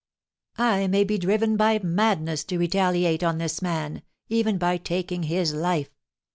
I may be driven by madness to retaliate on this man, even by taking his life.